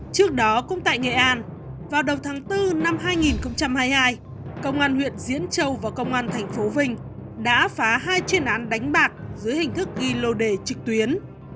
trước đó cũng tại nghệ an vào đầu tháng bốn năm hai nghìn hai mươi hai công an huyện diễn châu và công an thành phố vinh đã phá hai chuyên án đánh bạc dưới hình thức ghi lô đề trực tuyến